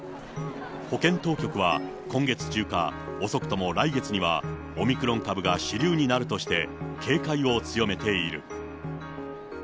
保健当局は今月中か、遅くとも来月には、オミクロン株が主流になるとして、警戒を強めている。